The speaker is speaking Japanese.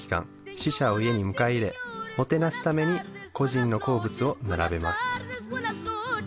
死者を家に迎え入れもてなすために故人の好物を並べます